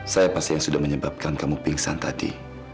saya pasti yang sudah menyebabkan kamu pingsan tadi